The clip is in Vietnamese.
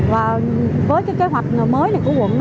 và với kế hoạch mới của quận